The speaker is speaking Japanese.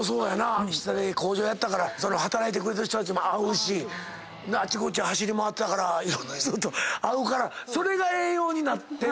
下で工場やってたから働いてくれてる人たちも会うしあっちこっち走り回ってたからいろんな人と会うからそれが栄養になってるんですか。